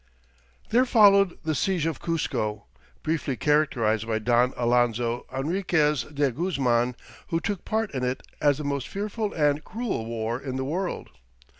There followed the siege of Cuzco, briefly characterized by Don Alonzo Enriques de Guzman, who took part in it, as "the most fearful and cruel war in the world."